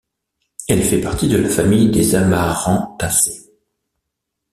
Elle fait partie de la famille des amaranthacées.